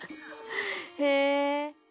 へえ。